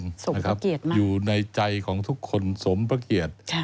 สมประเกียจมากพระอาจารย์อยู่ในใจของทุกคนสมประเกียจ